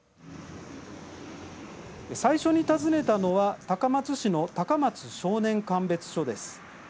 最初に訪ねたのは、高松市の高松少年鑑別所です。